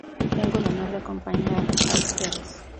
Tengo el honor de acompañar a Uds.